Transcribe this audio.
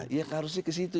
ya harusnya ke situ